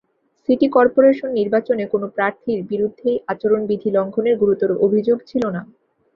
City corporation নির্বাচনে কোনো প্রার্থীর বিরুদ্ধেই আচরণবিধি লঙ্ঘনের গুরুতর অভিযোগ ছিল না।